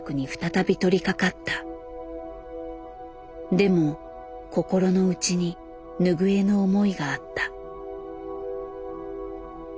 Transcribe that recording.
でも心の内に拭えぬ思いがあった。